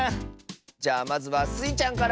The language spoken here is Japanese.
じゃあまずはスイちゃんから！